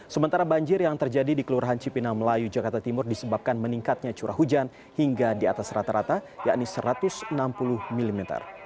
sementara banjir yang terjadi di kelurahan cipinang melayu jakarta timur disebabkan meningkatnya curah hujan hingga di atas rata rata yakni satu ratus enam puluh mm